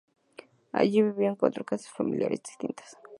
Allí vivió en cuatro casas familiares distintas.